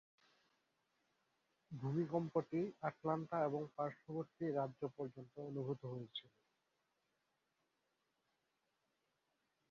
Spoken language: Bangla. ভূমিকম্পটি আটলান্টা এবং পার্শ্ববর্তী রাজ্য পর্যন্ত অনুভূত হয়েছিল।